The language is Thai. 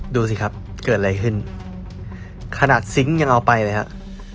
ดูสิครับเกิดอะไรขึ้นขนาดซิงค์ยังเอาไปเลยครับ